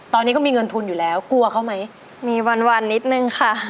ตอนนี้ก็มีเงินทุนอยู่แล้วกลัวเขาไหมมีวันวันนิดนึงค่ะ